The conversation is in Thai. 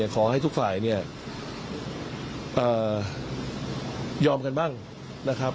ขอให้ทุกฝ่ายเนี่ยยอมกันบ้างนะครับ